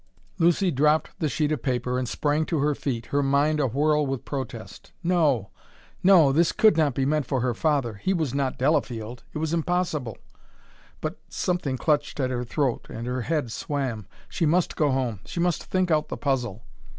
Lucy dropped the sheet of paper and sprang to her feet, her mind awhirl with protest. No, no! this could not be meant for her father he was not Delafield it was impossible! But something clutched at her throat, and her head swam. She must go home; she must think out the puzzle.